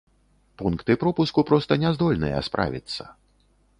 Пункты пропуску проста не здольныя справіцца.